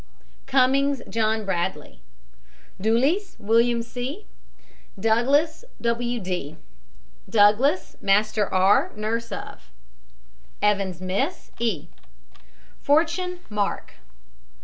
CUMMINGS, JOHN BRADLEY. DULLES, WILLIAM C. DOUGLAS, W. D. DOUGLAS, MASTER R., nurse of. EVANS, MISS E. FORTUNE, MARK.